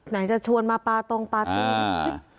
จะชวนมาปลาตรงปลาตรง